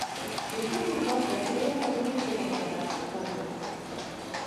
Культурны пласт разбураны ў выніку гаспадарчых работ.